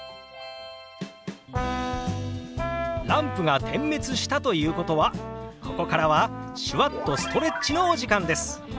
ランプが点滅したということはここからは手話っとストレッチのお時間です！